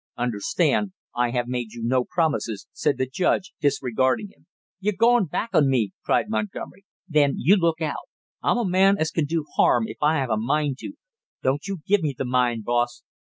"Understand, I have made you no promises," said the judge, disregarding him. "You're goin' back on me!" cried Montgomery. "Then you look out. I'm a man as can do harm if I have a mind to; don't you give me the mind, boss!"